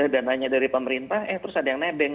dananya dari pemerintah eh terus ada yang nebeng